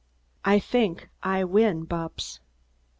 I think I win, Bupps."